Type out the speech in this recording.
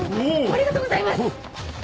ありがとうございます！